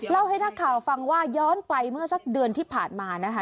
ให้นักข่าวฟังว่าย้อนไปเมื่อสักเดือนที่ผ่านมานะคะ